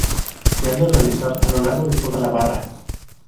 Se han de realizar a lo largo de toda la barra.